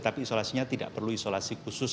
tapi isolasinya tidak perlu isolasi khusus